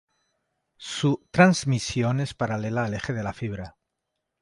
Su transmisión es paralela al eje de la fibra.